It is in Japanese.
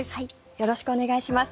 よろしくお願いします。